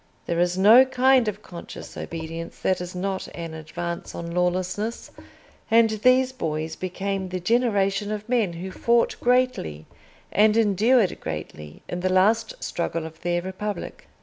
There is no kind of conscious obedience that is not an advance on lawlessness, and these boys became the generation of men who fought greatly and endured greatly in the last struggle of their Republic.